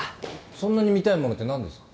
そんなに見たいものって何ですか。